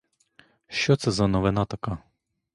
Що це за новина така?